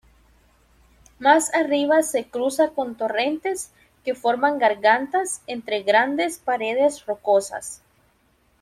Más arriba se cruza con torrentes que forman gargantas entre grandes paredes rocosas.